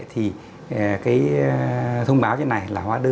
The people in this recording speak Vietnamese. thì cái thông báo như thế này là hóa đơn